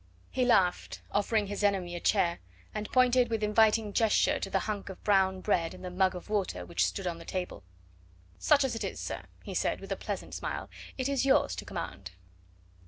He laughed, offering his enemy a chair, and pointed with inviting gesture to the hunk of brown bread and the mug of water which stood on the table. "Such as it is, sir," he said with a pleasant smile, "it is yours to command."